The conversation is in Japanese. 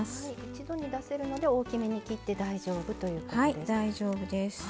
一度に出せるので大きめに切って大丈夫ということですね。